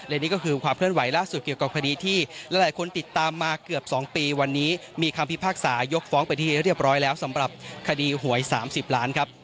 และนี่ก็คือความเคลื่อนไหวล่าสุดเกี่ยวกับคดีที่หลายคนติดตามมาเกือบ๒ปีวันนี้มีคำพิพากษายกฟ้องไปที่เรียบร้อยแล้วสำหรับคดีหวย๓๐ล้านครับ